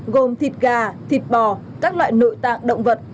gồm thịt gà thịt bò các loại nội tạng động vật